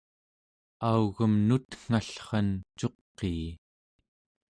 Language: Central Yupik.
augem nutngallran cuqii